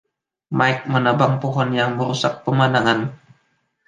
Mike menebang pohon yang merusak pemandangan